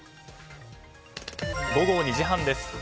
午後２時半です。